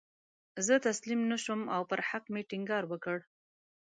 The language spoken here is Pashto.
زه تسلیم نه شوم او پر حق مې ټینګار وکړ.